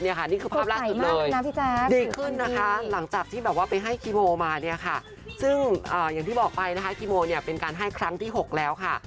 นี่คือภาพล่าสุดเลยดีขึ้นนะคะหลังจากที่แบบว่าไปให้คีโมมาเนี่ยค่ะซึ่งอย่างที่บอกไปนะคะคีโมเนี่ยเป็นการให้ครั้งที่๖แล้วค่ะ